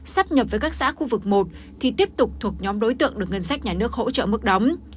sắp nhập với các xã khu vực một thì tiếp tục thuộc nhóm đối tượng được ngân sách nhà nước hỗ trợ mức đóng